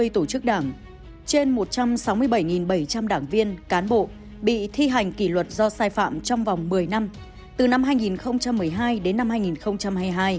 năm mươi tổ chức đảng trên một trăm sáu mươi bảy bảy trăm linh đảng viên cán bộ bị thi hành kỷ luật do sai phạm trong vòng một mươi năm từ năm hai nghìn một mươi hai đến năm hai nghìn hai mươi hai